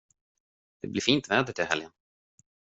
Det blir fint väder till helgen.